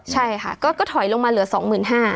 ใช่ค่ะก็ถอยลงมาเหลือสองหมื่นห้า